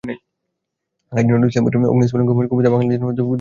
কাজী নজরুল ইসলামের অগ্নিস্ফুলিঙ্গসম কবিতা বাঙালি মনে বিদ্রোহের আগুন ঝরিয়ে দিয়েছে।